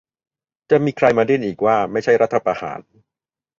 จะมีใครมาดิ้นอีกว่าไม่ใช่รัฐประหาร